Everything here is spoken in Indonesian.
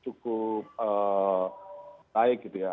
cukup baik gitu ya